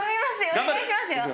お願いしますよ。